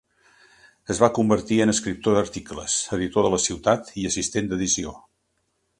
Es va convertir en escriptor d'articles, editor de la ciutat i assistent d'edició.